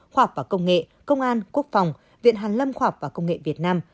họp và công nghệ công an quốc phòng viện hàn lâm họp và công nghệ việt nam